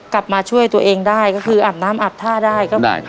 กลับมาช่วยตัวเองได้ก็คืออาบน้ำอาบท่าได้ก็ได้